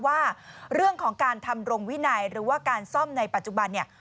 ว่าเรื่องของการทำรงวินัยหรือว่าการซ่อมในปัจจุบันเนี่ย